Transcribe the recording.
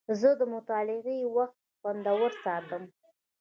زه د مطالعې وخت خوندور ساتم.